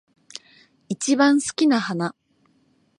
一番好きな花